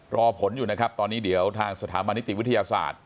รอผลอยู่นะครับตอนนี้เดี๋ยวทางสถาบันนิติวิทยาศาสตร์